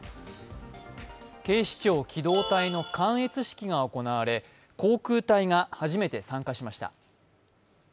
警視庁機動隊の観閲式が行われ、航空隊が初めて参加しました。